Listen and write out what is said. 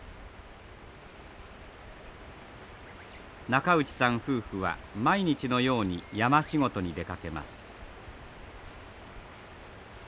中内さん夫婦は毎日のように山仕事に出かけます。